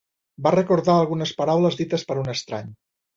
Va recordar algunes paraules dites per un estrany.